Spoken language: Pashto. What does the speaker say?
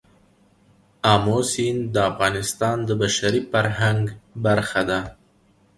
آمو سیند د افغانستان د بشري فرهنګ برخه ده.